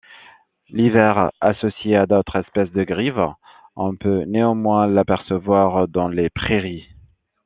L'hiver, associée à d'autres espèces de grives, on peut néanmoins l'apercevoir dans les prairies.